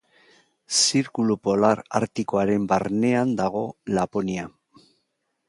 Zirkulu polar artikoaren barnean dago Laponia.